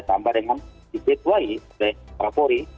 tambah dengan di b dua i oleh rapori